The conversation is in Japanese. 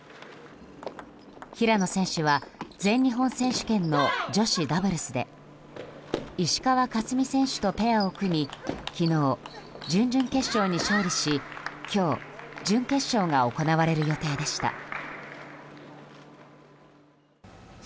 平野選手は全日本選手権の女子ダブルスで石川佳純選手とペアを組み昨日、準々決勝に勝利し今日、準決勝が行われる予定でした。